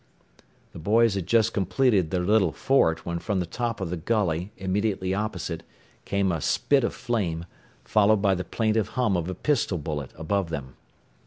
The boys had just completed their little fort when from the top of the gully immediately opposite came a spit of flame, followed by the plaintive hum of a pistol bullet above them.